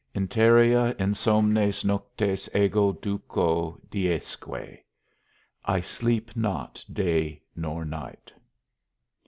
INTEREA INSOMNES NOCTES EGO DUCO, DIESQUE. _I sleep not day nor night.